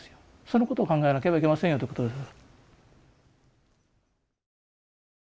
そのことを考えなければいけませんよということですね。